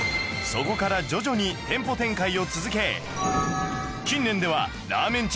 そこから徐々に店舗展開を続け近年ではラーメンチェーン激戦区